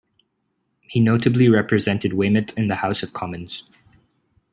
He notably represented Weymouth in the House of Commons.